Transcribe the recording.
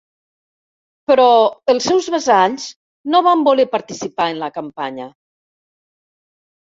Però els seus vassalls no van voler participar en la campanya.